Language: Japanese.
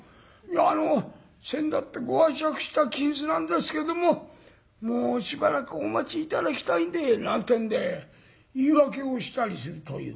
あのせんだってご拝借した金子なんですけどももうしばらくお待ち頂きたいんで」なんてんで言い訳をしたりするという。